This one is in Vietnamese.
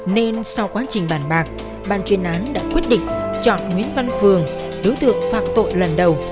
nên sau quá trình bàn bạc ban chuyên án đã quyết định chọn nguyễn văn phường đối tượng phạm tội lần đầu